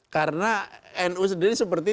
karena nu sendiri seperti